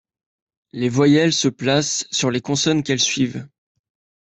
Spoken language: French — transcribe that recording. Les voyelles se placent sur les consonnes qu'elles suivent.